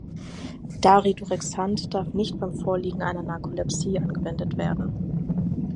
Daridorexant darf nicht beim Vorliegen einer Narkolepsie angewendet werden.